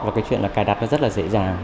và cái chuyện là cài đặt nó rất là dễ dàng